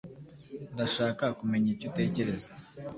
Ndashaka kumenya icyo utekereza.